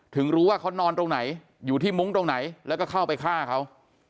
ถึงรู้ว่าเขานอนตรงไหนอยู่ที่มุ้งตรงไหนแล้วก็เข้าไปฆ่าเขา